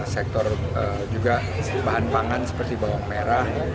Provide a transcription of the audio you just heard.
sektor juga bahan pangan seperti bawang merah